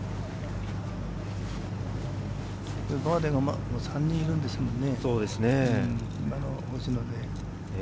バーディーが３人いるんですもんね。